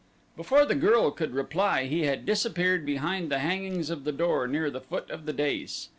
Before the girl could reply he had disappeared behind the hangings of the door near the foot of the dais.